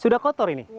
sudah kotor ini